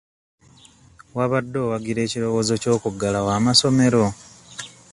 Wabadde owagira ekirowoozo ky'okuggalawo amasomero?